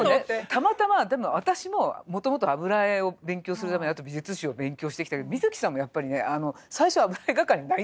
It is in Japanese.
たまたまでも私ももともと油絵を勉強するためにあと美術史を勉強してきたけど水木さんもやっぱりね最初は油絵画家になりたかったんですよ。